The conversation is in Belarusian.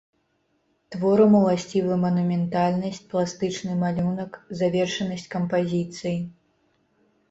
Творам уласцівы манументальнасць, пластычны малюнак, завершанасць кампазіцыі.